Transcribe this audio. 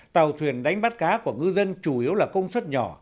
tàu thuyền đánh bắt cá của ngư dân chủ yếu là công suất nhỏ